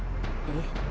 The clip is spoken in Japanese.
えっ？